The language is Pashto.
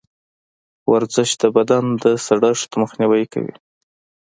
ورزش د بدن د سړښت مخنیوی کوي.